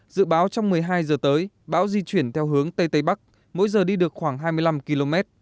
dự báo trong một mươi hai giờ tới bão di chuyển theo hướng tây tây bắc mỗi giờ đi được khoảng hai mươi năm km